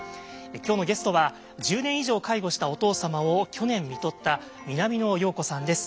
今日のゲストは１０年以上介護したお父様を去年みとった南野陽子さんです。